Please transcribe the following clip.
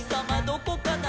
どこかな？」